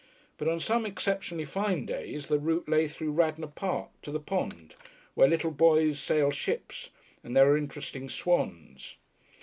But on some exceptionally fine days the route lay through Radnor Park to the pond where the little boys sail ships and there are interesting swans.